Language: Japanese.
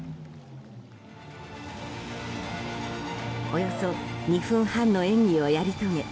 およそ２分半の演技をやり遂げ